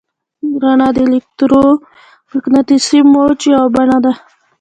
رڼا د الکترومقناطیسي موج یوه بڼه ده.